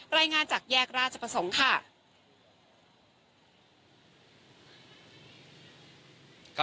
รายงานจากแยกราชประสงค์ค่ะ